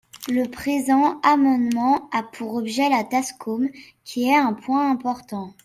Le présent amendement a pour objet la TASCOM, qui est un point important.